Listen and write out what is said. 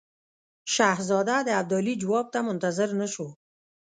شهزاده د ابدالي جواب ته منتظر نه شو.